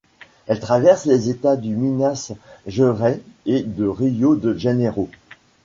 Elle traverse les États du Minas Gerais et de Rio de Janeiro.